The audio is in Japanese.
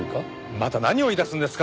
また何を言い出すんですか？